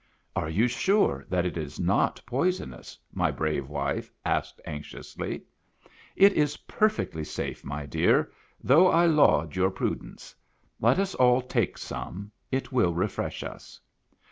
" Are you sure that it is not poisonous ?" my brave wife asked anxiously. " It is perfectly safe, my dear, though I laud your prudence. Let us all take some ; it will refresh us."